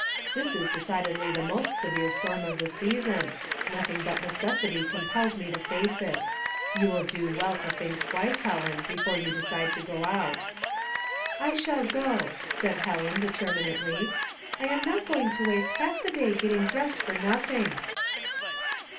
'' This is de cidedly the most severe storm of the season ; nothing but necessity compels me to face it. You will do well to think twice, Helen, before you decide to go out." " I shall go," said Helen determiuately. " I am not going to waste half the day getting dressed for nothing."